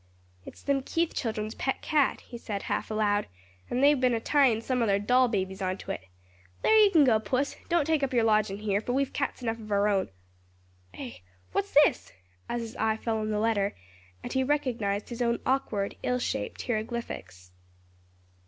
"It's them Keith children's pet cat," he said half aloud, "and they've been a tyin' some of their doll babies onto it. There you kin go, puss; don't take up yer lodgin' here; for we've cats enough o' our own. "Eh! what's this?" as his eye fell on the letter and he recognized his own awkward, ill shaped hieroglyphics.